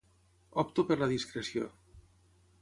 Opto per la discreció.